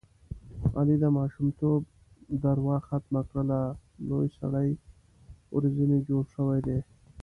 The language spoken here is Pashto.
علي د ماشومتوب دروه ختمه کړله لوی سړی ورځنې جوړ شوی دی.